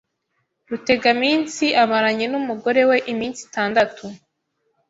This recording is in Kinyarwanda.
Rutegaminsi amaranye n' umugore we iminsi itandatu